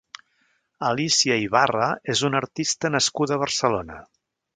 Alicia Ibarra és una artista nascuda a Barcelona.